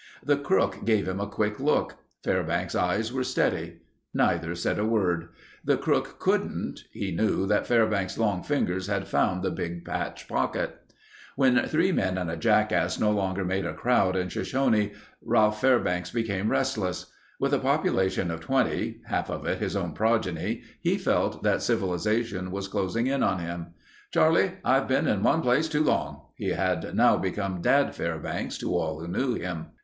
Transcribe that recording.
The crook gave him a quick look. Fairbanks' eyes were steady. Neither said a word. The crook couldn't. He knew that Fairbanks' long fingers had found the big patch pocket. When three men and a jackass no longer made a crowd in Shoshone, Ralph Fairbanks became restless. With a population of 20—half of it his own progeny, he felt that civilization was closing in on him. "Charlie, I've been in one place too long...." He had now become "Dad Fairbanks" to all who knew him.